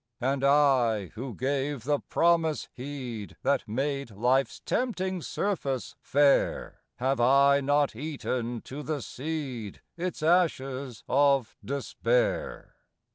And I, who gave the promise heed That made life's tempting surface fair, Have I not eaten to the seed Its ashes of despair!